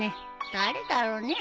誰だろうね。